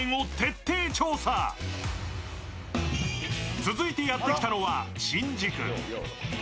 続いてやってきたのは、新宿。